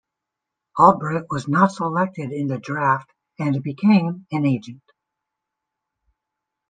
Albright was not selected in the draft and became a free agent.